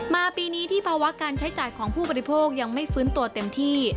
ปีนี้ที่ภาวะการใช้จ่ายของผู้บริโภคยังไม่ฟื้นตัวเต็มที่